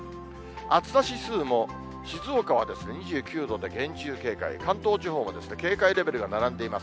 暑さ指数も、静岡は２９度で、厳重警戒、関東地方も警戒レベルが並んでいます。